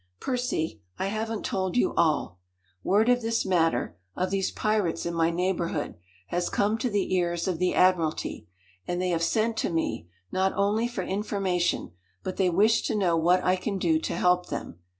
"Percy, I haven't told you all. Word of this matter of these pirates in my neighborhood has come to the ears of the admiralty, and they have sent to me, not only for information, but they wish to know what I can do to help them.